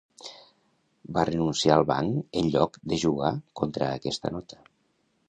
Va renunciar al banc en lloc de jugar contra aquesta nota.